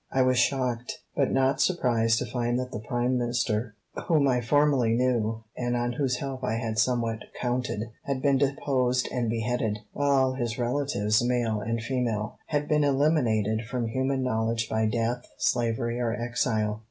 I was shocked but not surprised to find that the Prime Minister, whom I formerly knew, and on whose help I had somewhat counted, had been deposed and beheaded, while all his relatives, male and female, had been eliminated from human knowledge by death, slavery, or exile.